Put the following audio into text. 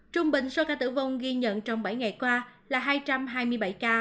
trung bình số ca tử vong ghi nhận trong bảy ngày qua là hai trăm hai mươi bảy ca